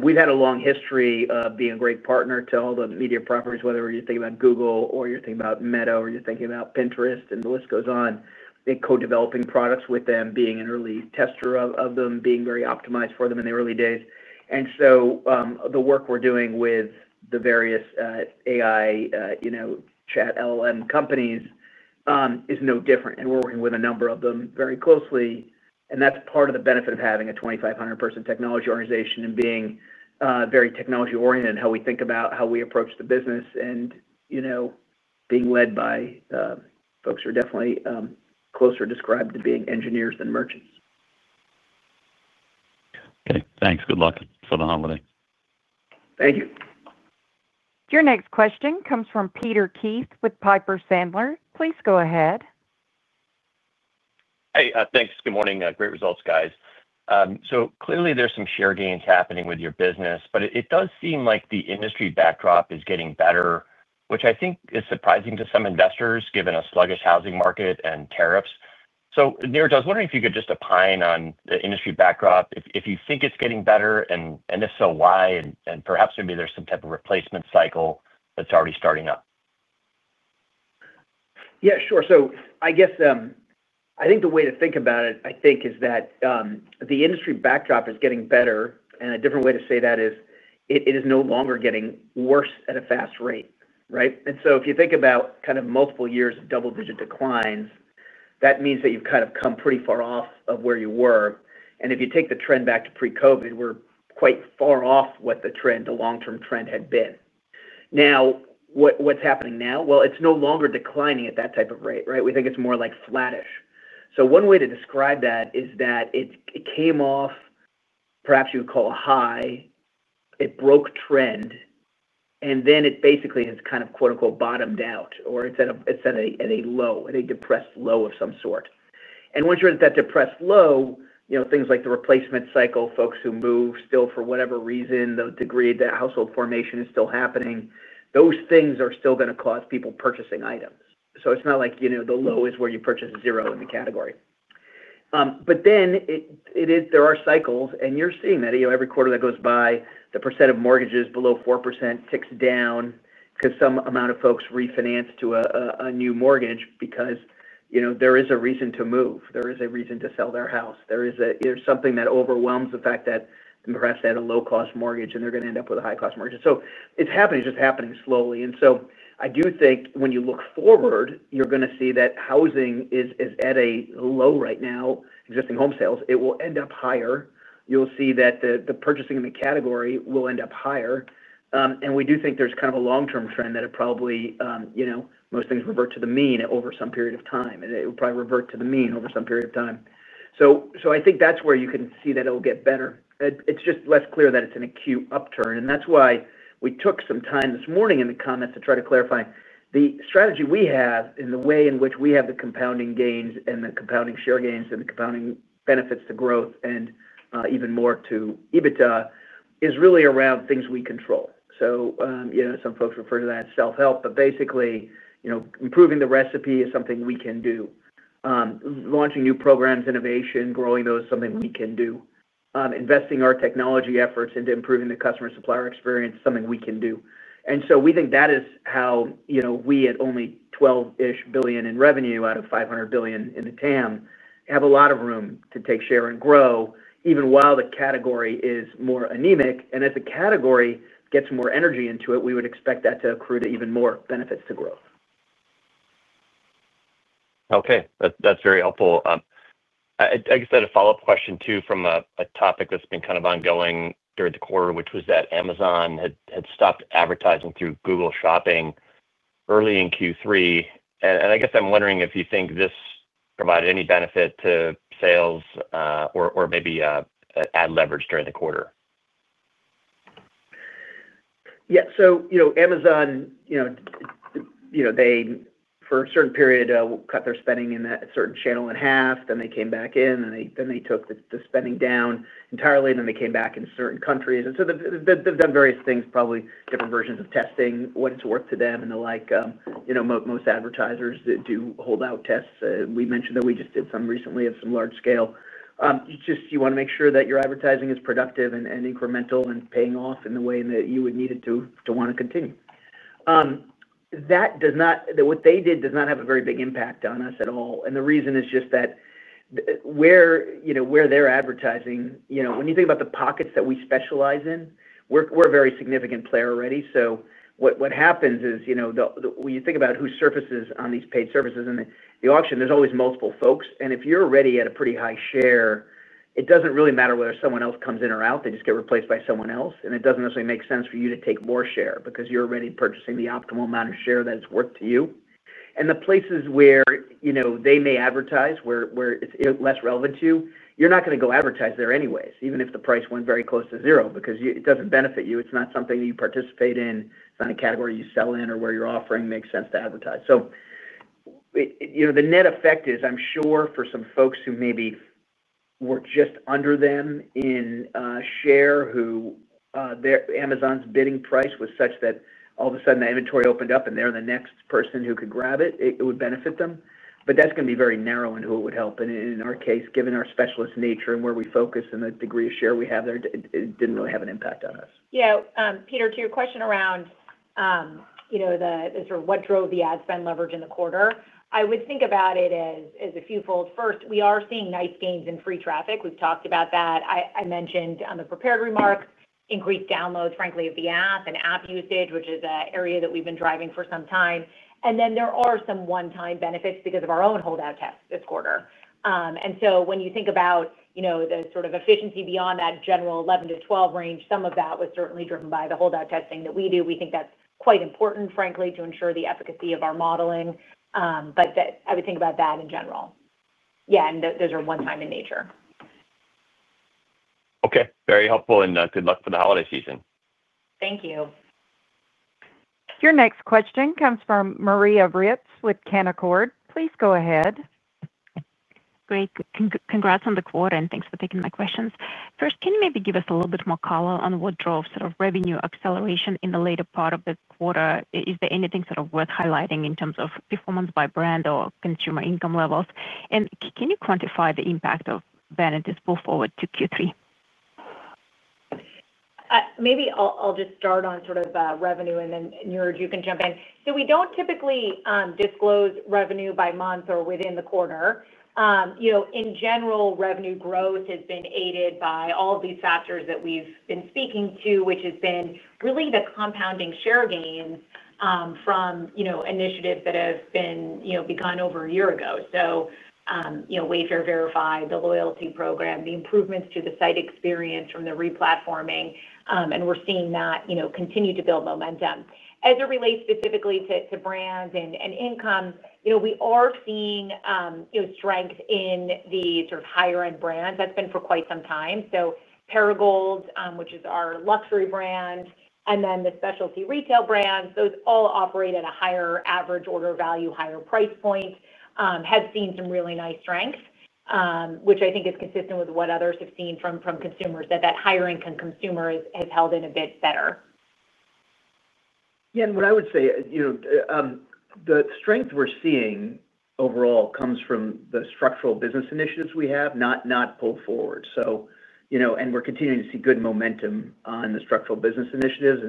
We've had a long history of being a great partner to all the media properties, whether you're thinking about Google or you're thinking about Meta or you're thinking about Pinterest, and the list goes on. I think co-developing products with them, being an early tester of them, being very optimized for them in the early days. The work we're doing with the various AI, chat LLM companies is no different. We're working with a number of them very closely. That's part of the benefit of having a 2,500-person technology organization and being very technology-oriented in how we think about how we approach the business and, you know, being led by folks who are definitely closer described to being engineers than merchants. Okay, thanks. Good luck for the holiday. Thank you. Your next question comes from Peter Keith with Piper Sandler. Please go ahead. Hey, thanks. Good morning. Great results, guys. Clearly, there's some share gains happening with your business, but it does seem like the industry backdrop is getting better, which I think is surprising to some investors given a sluggish housing market and tariffs. Niraj, I was wondering if you could just opine on the industry backdrop, if you think it's getting better, and if so, why? Perhaps maybe there's some type of replacement cycle that's already starting up. Yeah, sure. I guess I think the way to think about it, I think, is that the industry backdrop is getting better. A different way to say that is it is no longer getting worse at a fast rate, right? If you think about kind of multiple years of double-digit declines, that means that you've kind of come pretty far off of where you were. If you take the trend back to pre-COVID, we're quite far off what the trend, the long-term trend, had been. What's happening now? It's no longer declining at that type of rate, right? We think it's more like flattish. One way to describe that is that it came off, perhaps you would call a high, it broke trend, and then it basically has kind of quote-unquote bottomed out, or it's at a low, at a depressed low of some sort. Once you're at that depressed low, things like the replacement cycle, folks who move still for whatever reason, the degree that household formation is still happening, those things are still going to cause people purchasing items. It's not like, you know, the low is where you purchase a zero in the category. There are cycles, and you're seeing that every quarter that goes by, the percent of mortgages below 4% ticks down because some amount of folks refinance to a new mortgage because, you know, there is a reason to move. There is a reason to sell their house. There is something that overwhelms the fact that perhaps they had a low-cost mortgage and they're going to end up with a high-cost mortgage. It's happening. It's just happening slowly. I do think when you look forward, you're going to see that housing is at a low right now, existing home sales. It will end up higher. You'll see that the purchasing in the category will end up higher. We do think there's kind of a long-term trend that it probably, you know, most things revert to the mean over some period of time. It will probably revert to the mean over some period of time. I think that's where you can see that it'll get better. It's just less clear that it's an acute upturn. That's why we took some time this morning in the comments to try to clarify the strategy we have in the way in which we have the compounding gains and the compounding share gains and the compounding benefits to growth and even more to EBITDA is really around things we control. Some folks refer to that as self-help, but basically, improving the recipe is something we can do. Launching new programs, innovation, growing those is something we can do. Investing our technology efforts into improving the customer supplier experience is something we can do. We think that is how we, at only $12 billion in revenue out of $500 billion in the TAM, have a lot of room to take share and grow, even while the category is more anemic. As the category gets more energy into it, we would expect that to accrue to even more benefits to growth. Okay. That's very helpful. I guess I had a follow-up question too from a topic that's been kind of ongoing during the quarter, which was that Amazon had stopped advertising through Google Shopping early in Q3. I guess I'm wondering if you think this provided any benefit to sales or maybe ad leverage during the quarter. Yeah. Amazon, for a certain period, cut their spending in a certain channel in half, then they came back in, and then they took the spending down entirely, and then they came back in certain countries. They have done various things, probably different versions of testing what it's worth to them and the like. Most advertisers do holdout tests. We mentioned that we just did some recently of some large scale. You want to make sure that your advertising is productive and incremental and paying off in the way that you would need it to want to continue. What they did does not have a very big impact on us at all. The reason is just that where they're advertising, when you think about the pockets that we specialize in, we're a very significant player already. What happens is, when you think about who surfaces on these paid surfaces in the auction, there's always multiple folks. If you're already at a pretty high share, it doesn't really matter whether someone else comes in or out. They just get replaced by someone else. It doesn't necessarily make sense for you to take more share because you're already purchasing the optimal amount of share that it's worth to you. The places where they may advertise, where it's less relevant to you, you're not going to go advertise there anyway, even if the price went very close to zero, because it doesn't benefit you. It's not something that you participate in. It's not a category you sell in or where your offering makes sense to advertise. The net effect is, I'm sure for some folks who maybe were just under them in share, who their Amazon's bidding price was such that all of a sudden the inventory opened up and they're the next person who could grab it, it would benefit them. That's going to be very narrow in who it would help. In our case, given our specialist nature and where we focus and the degree of share we have there, it didn't really have an impact on us. Yeah. Peter, to your question around, you know, the sort of what drove the ad spend leverage in the quarter, I would think about it as a few-fold. First, we are seeing nice gains in free traffic. We've talked about that. I mentioned on the prepared remarks, increased downloads, frankly, of the app and app usage, which is an area that we've been driving for some time. There are some one-time benefits because of our own holdout tests this quarter. When you think about, you know, the sort of efficiency beyond that general 11%-12% range, some of that was certainly driven by the holdout testing that we do. We think that's quite important, frankly, to ensure the efficacy of our modeling. I would think about that in general. Yeah, and those are one-time in nature. Okay. Very helpful, and good luck for the holiday season. Thank you. Your next question comes from Maria Ripps with Canaccord. Please go ahead. Great. Congrats on the quarter, and thanks for taking my questions. First, can you maybe give us a little bit more color on what drove sort of revenue acceleration in the later part of the quarter? Is there anything sort of worth highlighting in terms of performance by brand or consumer income levels? Can you quantify the impact of branded this pull forward to Q3? Maybe I'll just start on sort of revenue, and then Niraj, you can jump in. We don't typically disclose revenue by month or within the quarter. In general, revenue growth has been aided by all of these factors that we've been speaking to, which has been really the compounding share gains from initiatives that have been begun over a year ago. Wayfair Verified, the loyalty program, the improvements to the site experience from the replatforming, and we're seeing that continue to build momentum. As it relates specifically to brand and income, we are seeing strength in the sort of higher-end brands. That's been for quite some time. Perigold, which is our luxury brand, and then the specialty retail brands, those all operate at a higher average order value, higher price points, have seen some really nice strength, which I think is consistent with what others have seen from consumers, that that higher-income consumer has held in a bit better. Yeah, what I would say is the strength we're seeing overall comes from the structural business initiatives we have, not pull forward. We're continuing to see good momentum on the structural business initiatives,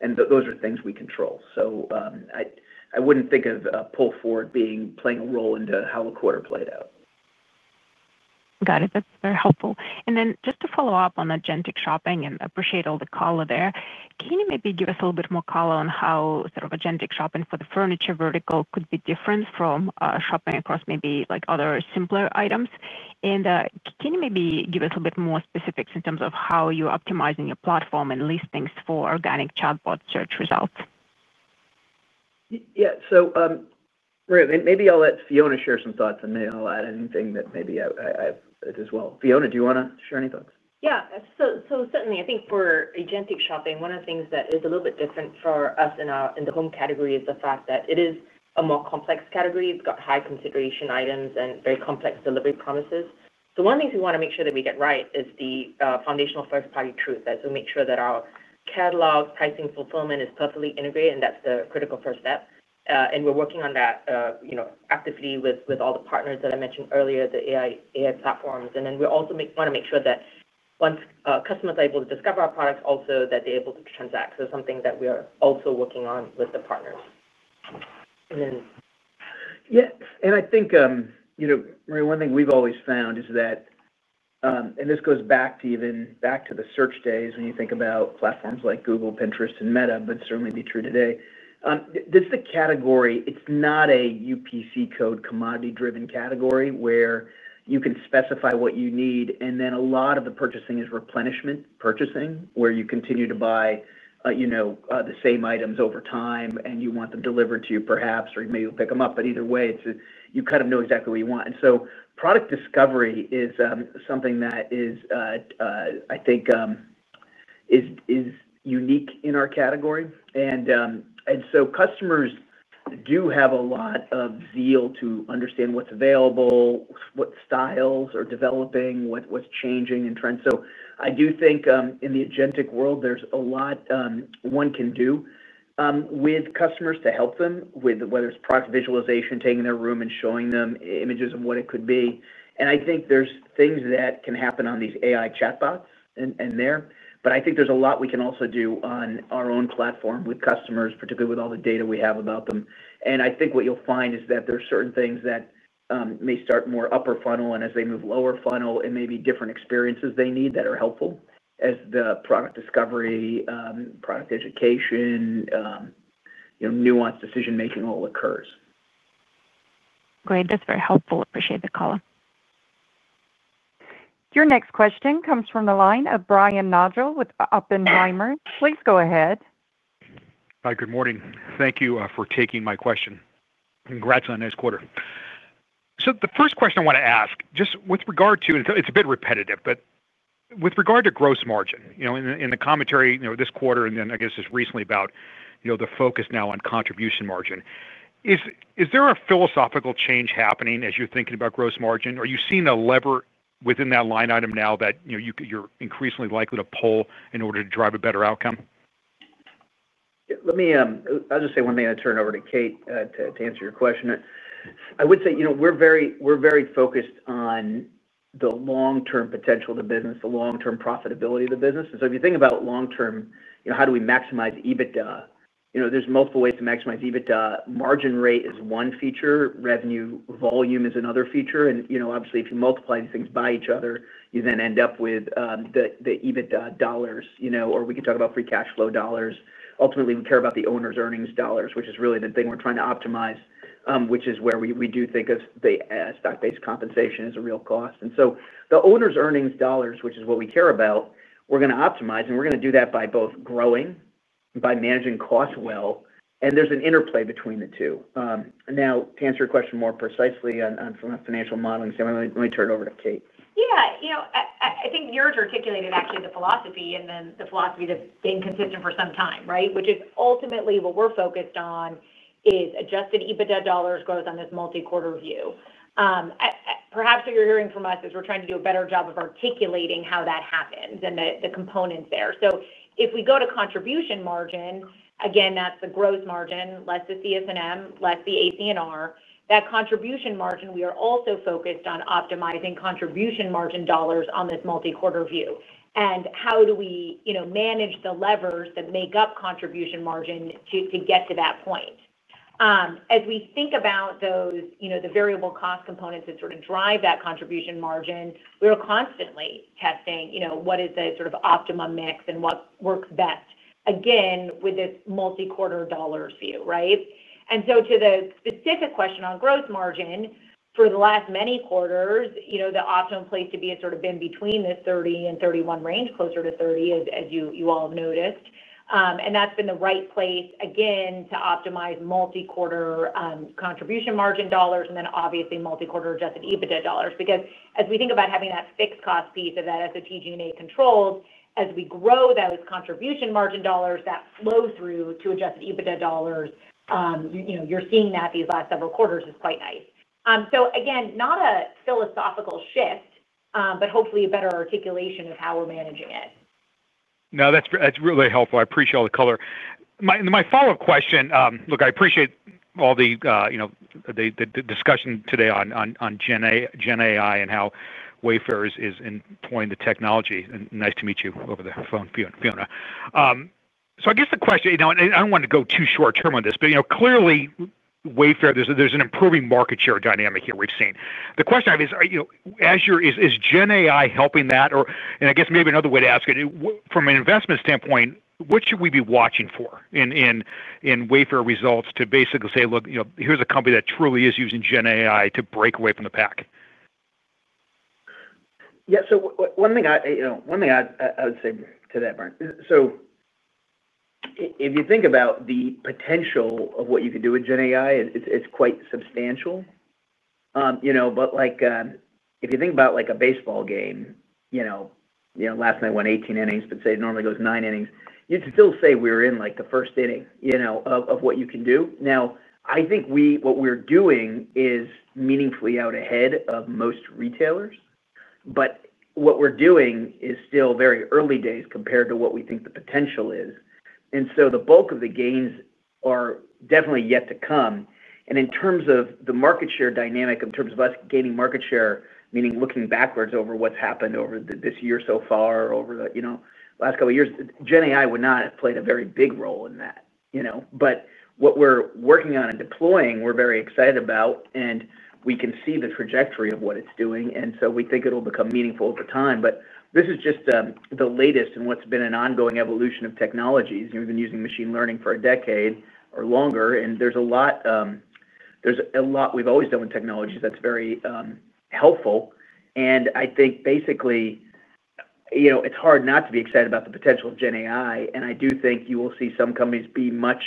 and those are things we control. I wouldn't think of pull forward playing a role in how the quarter played out. Got it. That's very helpful. Just to follow up on agentic shopping, and I appreciate all the color there, can you maybe give us a little bit more color on how sort of agentic shopping for the furniture vertical could be different from shopping across maybe like other simpler items? Can you maybe give us a little bit more specifics in terms of how you're optimizing your platform and listings for organic chatbot search results? Right, and maybe I'll let Fiona share some thoughts, and then I'll add anything that maybe I have as well. Fiona, do you want to share any thoughts? Yeah, certainly, I think for agentic shopping, one of the things that is a little bit different for us in the home category is the fact that it is a more complex category. It's got high consideration items and very complex delivery promises. One of the things we want to make sure that we get right is the foundational first-party truth as we make sure that our catalog, pricing, fulfillment is perfectly integrated, and that's the critical first step. We're working on that actively with all the partners that I mentioned earlier, the AI platforms. We also want to make sure that once customers are able to discover our products, they're also able to transact. It's something that we are also working on with the partners. Yeah, I think, you know, Maria, one thing we've always found is that, and this goes back even to the search days when you think about platforms like Google, Pinterest, and Meta, but it is certainly true today. This is the category, it's not a UPC code commodity-driven category where you can specify what you need, and then a lot of the purchasing is replenishment purchasing, where you continue to buy the same items over time, and you want them delivered to you perhaps, or maybe you'll pick them up. Either way, you kind of know exactly what you want. Product discovery is something that is, I think, unique in our category. Customers do have a lot of Zeal to understand what's available, what styles are developing, what's changing in trends. I do think in the agentic world, there's a lot one can do with customers to help them, whether it's product visualization, taking their room and showing them images of what it could be. I think there are things that can happen on these AI chatbots. I think there's a lot we can also do on our own platform with customers, particularly with all the data we have about them. I think what you'll find is that there are certain things that may start more upper funnel, and as they move lower funnel, it may be different experiences they need that are helpful as the product discovery, product education, nuanced decision-making all occurs. Great. That's very helpful. I appreciate the color. Your next question comes from the line of Brian Nagel with Oppenheimer. Please go ahead. Hi, good morning. Thank you for taking my question. Congrats on a nice quarter. The first question I want to ask, just with regard to, it's a bit repetitive, with regard to gross margin, in the commentary this quarter, and then I guess just recently about the focus now on contribution margin, is there a philosophical change happening as you're thinking about gross margin? Are you seeing a lever within that line item now that you're increasingly likely to pull in order to drive a better outcome? Let me just say one thing, and I'll turn it over to Kate to answer your question. I would say, you know, we're very focused on the long-term potential of the business, the long-term profitability of the business. If you think about long-term, you know, how do we maximize EBITDA? You know, there's multiple ways to maximize EBITDA. Margin rate is one feature, revenue volume is another feature. Obviously, if you multiply these things by each other, you then end up with the EBITDA dollars, or we could talk about free cash flow dollars. Ultimately, we care about the owner's earnings dollars, which is really the thing we're trying to optimize, which is where we do think of the stock-based compensation as a real cost. The owner's earnings dollars, which is what we care about, we're going to optimize, and we're going to do that by both growing, by managing costs well. There's an interplay between the two. To answer your question more precisely from a financial modeling standpoint, let me turn it over to Kate. Yeah, you know, I think Niraj articulated actually the philosophy and then the philosophy that's been consistent for some time, right? Which is ultimately what we're focused on is adjusted EBITDA dollars growth on this multi-quarter view. Perhaps what you're hearing from us is we're trying to do a better job of articulating how that happens and the components there. If we go to contribution margin, again, that's the gross margin, less the CS&M, less the AC&R. That contribution margin, we are also focused on optimizing contribution margin dollars on this multi-quarter view. How do we, you know, manage the levers that make up contribution margin to get to that point? As we think about those, you know, the variable cost components that sort of drive that contribution margin, we're constantly testing what is the sort of optimum mix and what works best, again, with this multi-quarter dollars view, right? To the specific question on gross margin, for the last many quarters, the optimum place to be has sort of been between the 30% and 31% range, closer to 30%, as you all have noticed. That's been the right place, again, to optimize multi-quarter contribution margin dollars and then obviously multi-quarter adjusted EBITDA dollars. As we think about having that fixed cost piece of that SOTG&A control, as we grow those contribution margin dollars, that flow-through to adjusted EBITDA dollars, you're seeing that these last several quarters is quite nice. Not a philosophical shift, but hopefully a better articulation of how we're managing it. No, that's really helpful. I appreciate all the color. My follow-up question, I appreciate all the discussion today on generative AI and how Wayfair is employing the technology. Nice to meet you over the phone, Fiona. I guess the question, and I don't want to go too short-term on this, but clearly, Wayfair, there's an improving market share dynamic here we've seen. The question I have is, is generative AI helping that? I guess maybe another way to ask it, from an investment standpoint, what should we be watching for in Wayfair results to basically say, here's a company that truly is using generative AI to break away from the pack? Yeah, one thing I would say to that, if you think about the potential of what you could do with Gen AI, it's quite substantial. If you think about a baseball game, last night went 18 innings, but say it normally goes nine innings, you'd still say we're in the first inning of what you can do. I think what we're doing is meaningfully out ahead of most retailers, but what we're doing is still very early days compared to what we think the potential is. The bulk of the gains are definitely yet to come. In terms of the market share dynamic, in terms of us gaining market share, meaning looking backwards over what's happened over this year so far, over the last couple of years, Gen AI would not have played a very big role in that. What we're working on and deploying, we're very excited about, and we can see the trajectory of what it's doing. We think it'll become meaningful over time. This is just the latest in what's been an ongoing evolution of technologies. We've been using machine learning for a decade or longer, and there's a lot we've always done with technologies that's very helpful. I think basically, it's hard not to be excited about the potential of Gen AI. I do think you will see some companies be much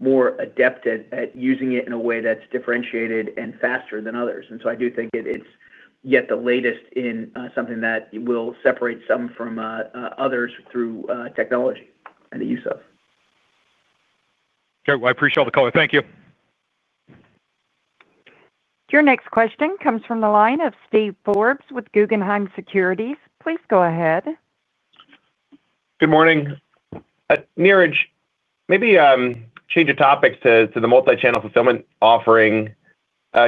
more adept at using it in a way that's differentiated and faster than others. I do think it's yet the latest in something that will separate some from others through technology and the use of. Sure. I appreciate all the color. Thank you. Your next question comes from the line of Steve Forbes with Guggenheim Securities. Please go ahead. Good morning. Niraj, maybe change of topic to the multi-channel fulfillment offering.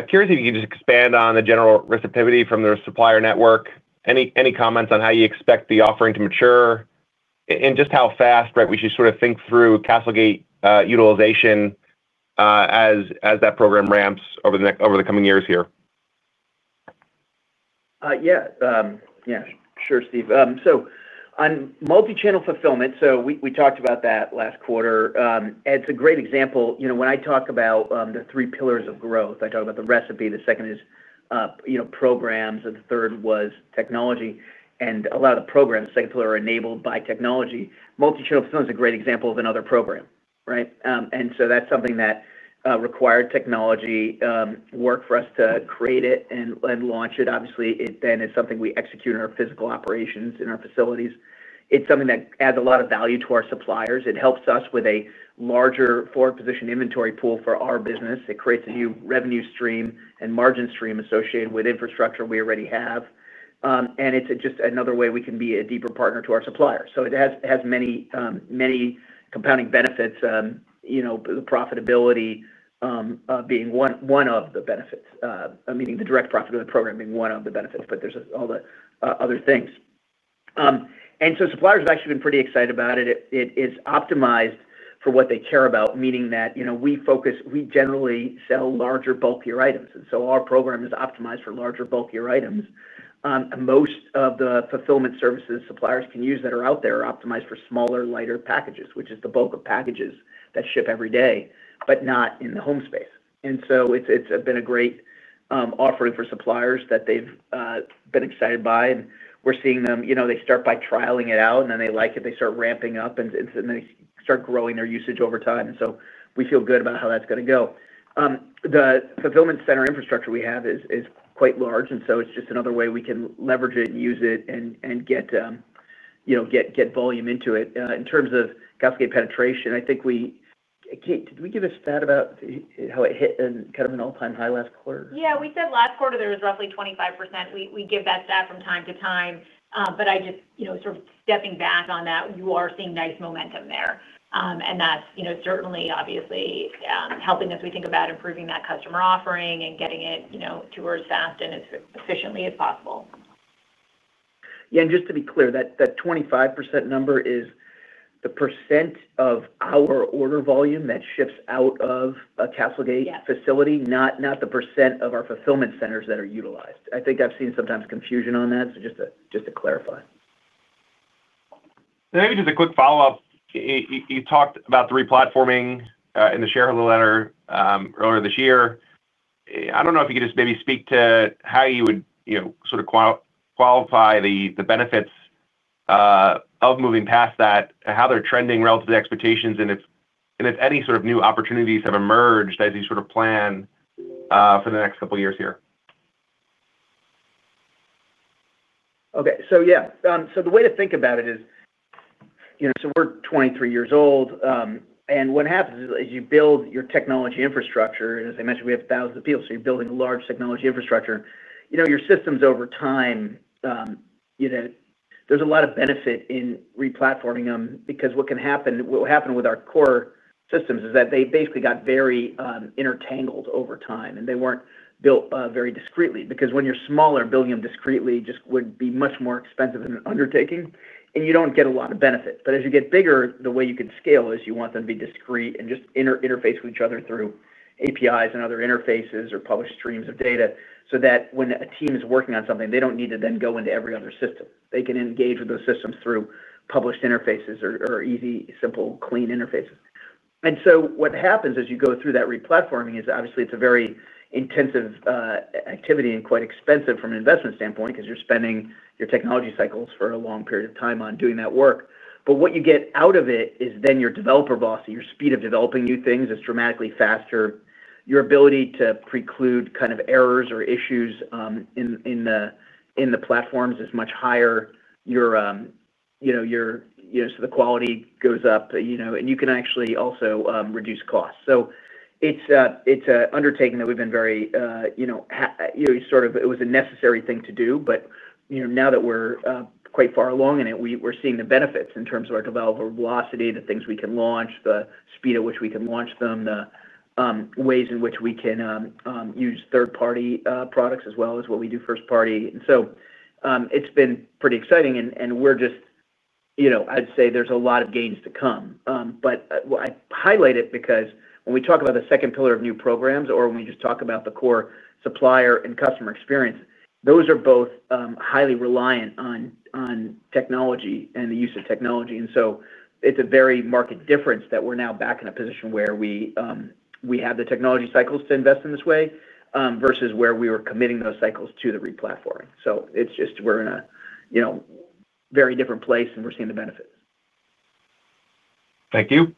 Curious if you can just expand on the general receptivity from the supplier network. Any comments on how you expect the offering to mature and just how fast, right, we should sort of think through CastleGate utilization as that program ramps over the coming years here? Yeah, sure, Steve. On multi-channel fulfillment, we talked about that last quarter. Ed's a great example. When I talk about the three pillars of growth, I talk about the recipe. The second is programs, and the third was technology. A lot of the programs, the second pillar, are enabled by technology. Multi-channel fulfillment is a great example of another program, right? That's something that required technology work for us to create it and launch it. Obviously, it then is something we execute in our physical operations in our facilities. It's something that adds a lot of value to our suppliers. It helps us with a larger forward position inventory pool for our business. It creates a new revenue stream and margin stream associated with infrastructure we already have. It's just another way we can be a deeper partner to our suppliers. It has many, many compounding benefits, the profitability being one of the benefits, meaning the direct profit of the program being one of the benefits, but there's all the other things. Suppliers have actually been pretty excited about it. It is optimized for what they care about, meaning that we focus, we generally sell larger bulkier items. Our program is optimized for larger bulkier items. Most of the fulfillment services suppliers can use that are out there are optimized for smaller, lighter packages, which is the bulk of packages that ship every day, but not in the home space. It's been a great offering for suppliers that they've been excited by. We're seeing them, they start by trialing it out, and then they like it, they start ramping up, and then they start growing their usage over time. We feel good about how that's going to go. The fulfillment center infrastructure we have is quite large. It's just another way we can leverage it and use it and get volume into it. In terms of CastleGate penetration, I think we, Kate, did we give a stat about how it hit kind of an all-time high last quarter? Yeah, we said last quarter there was roughly 25%. We give that stat from time to time. Just stepping back on that, you are seeing nice momentum there. That's certainly obviously helping as we think about improving that customer offering and getting it to where it's fast and as efficiently as possible. Yeah, and just to be clear, that 25% number is the percent of our order volume that ships out of a CastleGate facility, not the percent of our fulfillment centers that are utilized. I think I've seen sometimes confusion on that, just to clarify. Maybe just a quick follow-up. You talked about the replatforming in the shareholder letter earlier this year. I don't know if you could just maybe speak to how you would qualify the benefits of moving past that, how they're trending relative to expectations, and if any sort of new opportunities have emerged as you plan for the next couple of years here. Okay, so yeah. The way to think about it is, you know, we're 23 years old. What happens is you build your technology infrastructure. As I mentioned, we have thousands of people, so you're building a large technology infrastructure. Your systems over time, you know, there's a lot of benefit in replatforming them because what can happen, what will happen with our core systems is that they basically got very intertangled over time, and they weren't built very discreetly. When you're smaller, building them discreetly just would be much more expensive of an undertaking, and you don't get a lot of benefit. As you get bigger, the way you can scale is you want them to be discreet and just interface with each other through APIs and other interfaces or published streams of data so that when a team is working on something, they don't need to then go into every other system. They can engage with those systems through published interfaces or easy, simple, clean interfaces. What happens as you go through that replatforming is obviously it's a very intensive activity and quite expensive from an investment standpoint because you're spending your technology cycles for a long period of time on doing that work. What you get out of it is then your developer velocity, your speed of developing new things is dramatically faster. Your ability to preclude kind of errors or issues in the platforms is much higher. The quality goes up, and you can actually also reduce costs. It's an undertaking that we've been very, you know, sort of it was a necessary thing to do. Now that we're quite far along in it, we're seeing the benefits in terms of our developer velocity, the things we can launch, the speed at which we can launch them, the ways in which we can use third-party products as well as what we do first-party. It's been pretty exciting, and I'd say there's a lot of gains to come. I highlight it because when we talk about the second pillar of new programs or when we just talk about the core supplier and customer experience, those are both highly reliant on technology and the use of technology. It's a very marked difference that we're now back in a position where we have the technology cycles to invest in this way versus where we were committing those cycles to the replatforming. It's just we're in a very different place, and we're seeing the benefits. Thank you.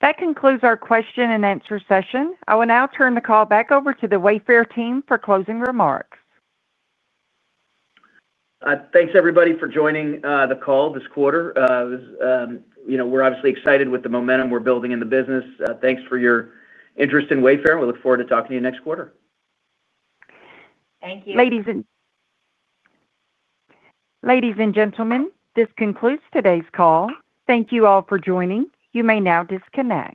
That concludes our question and answer session. I will now turn the call back over to the Wayfair team for closing remarks. Thanks, everybody, for joining the call this quarter. We're obviously excited with the momentum we're building in the business. Thanks for your interest in Wayfair, and we look forward to talking to you next quarter. Thank you. Ladies and gentlemen, this concludes today's call. Thank you all for joining. You may now disconnect.